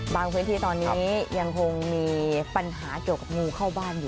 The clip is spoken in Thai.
พื้นที่ตอนนี้ยังคงมีปัญหาเกี่ยวกับงูเข้าบ้านอยู่